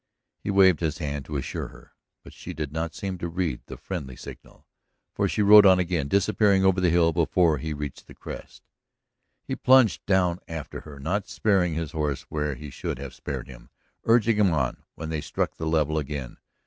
He waved his hand, to assure her, but she did not seem to read the friendly signal, for she rode on again, disappearing over the hill before he reached the crest. He plunged down after her, not sparing his horse where he should have spared him, urging him on when they struck the level again.